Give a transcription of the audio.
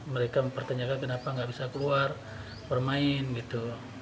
mereka mempertanyakan kenapa nggak bisa keluar bermain gitu